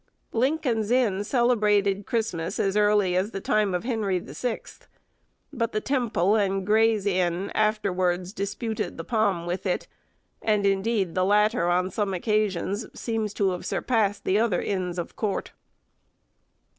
Lincoln's Inn celebrated Christmas as early as the time of Henry the Sixth, but the Temple and Gray's Inn afterwards disputed the palm with it, and indeed the latter on some occasions seems to have surpassed the other Inns of Court.